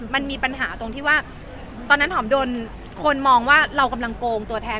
มันมีปัญหาตรงที่ว่าตอนนั้นหอมโดนคนมองว่าเรากำลังโกงตัวแทน